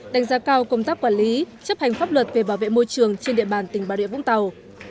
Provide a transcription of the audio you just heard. đánh giá cao công tác quản lý chấp hành pháp luật về bảo vệ môi trường trên địa bàn tỉnh bà rịa vũng tàu